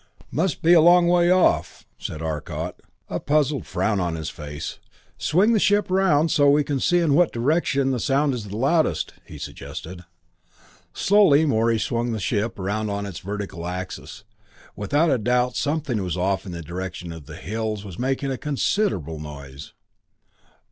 "Must be a long way off," said Arcot, a puzzled frown on his face. "Swing the ship around so we can see in what direction the sound is loudest," he suggested. Slowly Morey swung the ship around on its vertical axis. Without a doubt, something off in the direction of the hills was making a considerable noise.